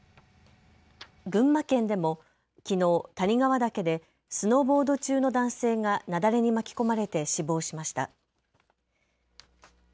群馬県でもきのう谷川岳でスノーボード中の男性が雪崩に巻き込まれて死亡しました。